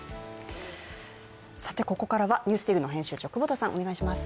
ここからは「ＮＥＷＳＤＩＧ」の編集長久保田さん、お願いします。